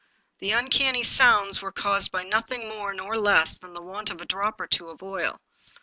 The uncanny sounds were caused by nothing more nor less than the want of a drop or two of oil.